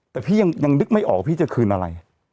แต่พี่ยังนึกไม่ออกว่าพี่จะคืนอะไร